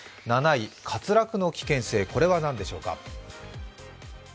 ７位、滑落の危険性、これは何でしょうか。